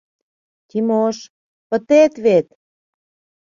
— Тимош, пытет вет!